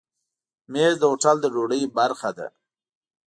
مېز د هوټل د ډوډۍ برخه ده.